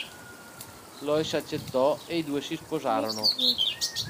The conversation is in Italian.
Lois accettò e i due si sposarono.